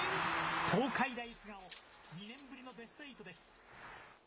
東海大菅生、２年ぶりのベストエイトです。